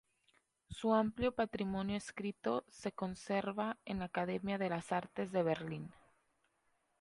Su amplio patrimonio escrito se conserva en la Academia de las Artes de Berlín.